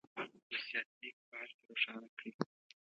وصيت ليک به هر څه روښانه کړي.